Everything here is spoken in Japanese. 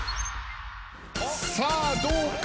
さあどうか。